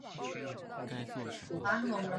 他最喜欢的足球队是博卡青年队俱乐部。